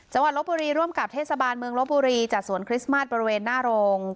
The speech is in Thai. ลบบุรีร่วมกับเทศบาลเมืองลบบุรีจัดสวนคริสต์มาสบริเวณหน้าโรง